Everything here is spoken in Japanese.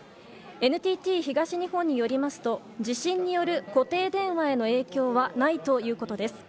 ＮＴＴ東日本によりますと地震による固定電話への影響はないということです。